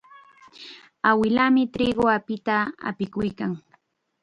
Awilaami triqu apita apikuykan.